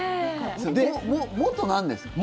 元、なんですか？